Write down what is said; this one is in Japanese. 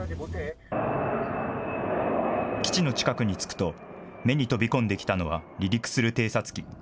基地の近くに着くと、目に飛び込んできたのは離陸する偵察機。